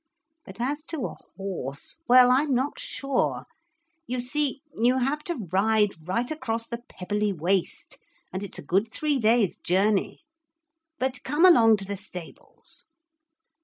But as to a horse. Well, I'm not sure. You see, you have to ride right across the pebbly waste, and it's a good three days' journey. But come along to the stables.'